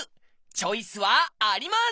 チョイスはあります！